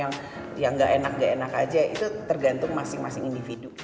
politik itu kayaknya cuma yang gak enak gak enak aja itu tergantung masing masing individu